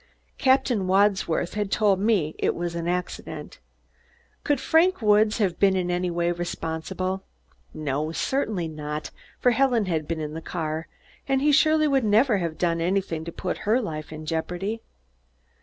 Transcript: Captain Wadsworth had told me it was an accident. Could Frank Woods have been in any way responsible? No, certainly not, for Helen had been in the car, and he surely would never have done anything to put her life in jeopardy.